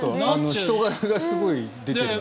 人柄がすごい出ていて。